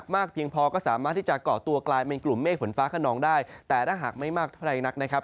มีกลุ่มเมฆฝนฟ้าก็นองได้แต่ถ้าหากไม่มากเท่าไรนัก